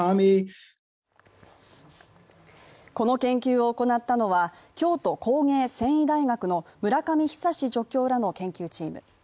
この研究を行ったのは京都工芸繊維大学の村上久助教らの研究チーム。